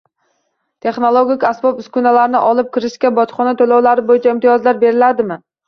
Texnologik asbob-uskunalarni olib kirishda bojxona to’lovlari bo’yicha imtiyozlar beriladimi?